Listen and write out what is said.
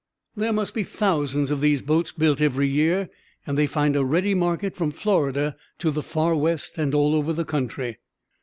There must be thousands of these boats built every year, and they find a ready market from Florida to the far West, and all over the country."